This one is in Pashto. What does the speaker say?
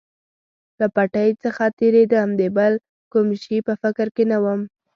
له پټۍ څخه تېرېدم، د بل کوم شي په فکر کې نه ووم.